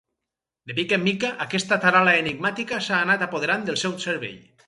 De mica en mica aquesta taral·la enigmàtica s'ha anat apoderant del seu cervell.